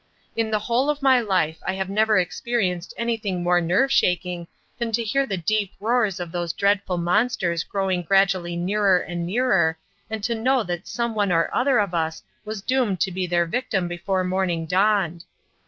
In the whole of my life I have never experienced anything more nerve shaking than to hear the deep roars of these dreadful monsters growing gradually nearer and nearer, and to know that some one or other of us was doomed to be their victim before morning dawned.